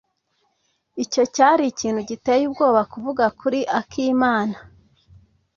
Icyo cyari ikintu giteye ubwoba kuvuga kuri akimana.